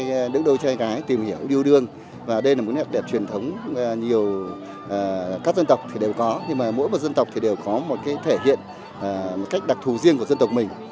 tôi trai gái tìm hiểu điêu đương và đây là một nét đẹp truyền thống nhiều các dân tộc thì đều có nhưng mà mỗi một dân tộc thì đều có một cái thể hiện một cách đặc thù riêng của dân tộc mình